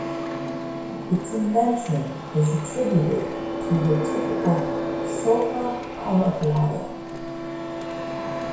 Its invention is attributed to the typical Sopa paraguaya.